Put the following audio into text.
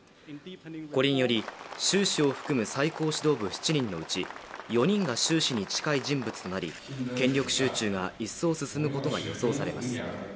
これにより習氏を含む最高指導部７人のうち４人が習氏に近い人物となり権力集中が一層進むことが予想されます。